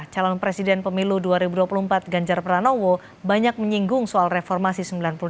calon presiden pemilu dua ribu dua puluh empat ganjar pranowo banyak menyinggung soal reformasi sembilan puluh dua